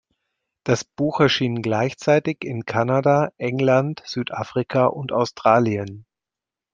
Das Buch erschien gleichzeitig in Kanada, England, Südafrika und Australien.